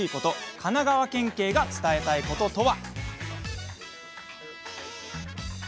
神奈川県警が伝えたいこととは？